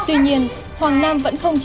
em sẽ lớp nhanh